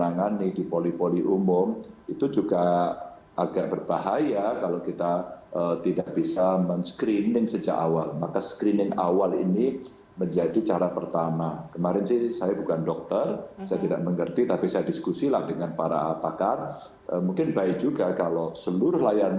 nah yang ini saya sudah komunikasi dengan pak dir